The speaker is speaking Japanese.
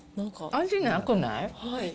味なくない？